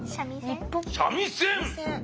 三味線？